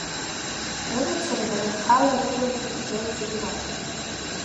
Рымацара, дара рхала, рыбла ҭыџьџьа иӡырҩуан.